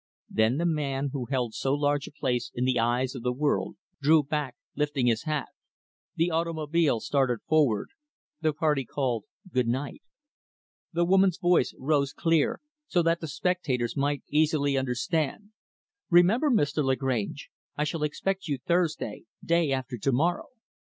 Then the man who held so large a place in the eyes of the world drew back, lifting his hat; the automobile started forward; the party called, "Good night." The woman's voice rose clear so that the spectators might easily understand "Remember, Mr. Lagrange I shall expect you Thursday day after to morrow."